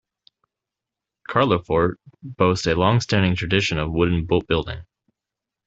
Carloforte boasts a long-standing tradition of wooden boatbuilding.